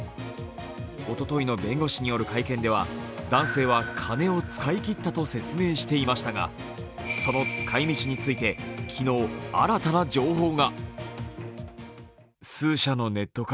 おとといの弁護士による会見では男性は金を使い切ったと説明していますがその使い道について、昨日新たな情報が。